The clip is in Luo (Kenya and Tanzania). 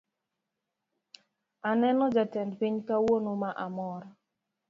Aneno jatend piny kawuono ma amor